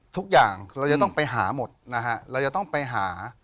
ทุกอย่างเราจะต้องไปหาหมดนะฮะเราจะต้องไปหา